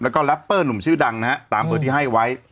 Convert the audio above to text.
และก็แรปเปอร์หนุ่มชื่อดังนะครับตามเผยที่ให้ไว้